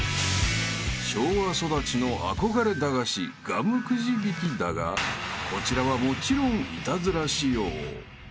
［昭和育ちの憧れ駄菓子ガムくじ引きだがこちらはもちろん］